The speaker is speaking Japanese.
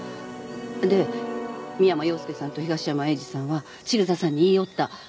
で三山陽介さんと東山栄治さんは千草さんに言い寄った。